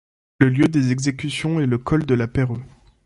Le lieu des exécutions est le Col de la Perheux.